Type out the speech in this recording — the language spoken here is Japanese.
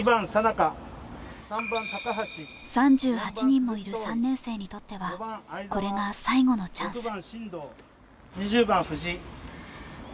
３８人もいる３年生にとっては、これが最後のチャンス。